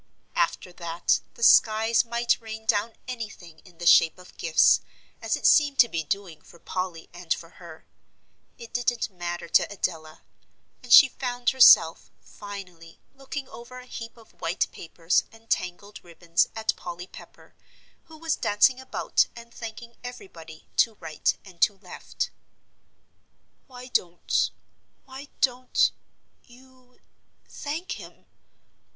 After that, the skies might rain down anything in the shape of gifts, as it seemed to be doing for Polly and for her; it didn't matter to Adela; and she found herself, finally, looking over a heap of white papers and tangled ribbons, at Polly Pepper, who was dancing about, and thanking everybody to right and to left. "Why don't why don't you thank him?"